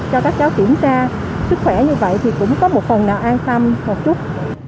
cho các cháu kiểm tra sức khỏe như vậy thì cũng có một phần là an tâm một chút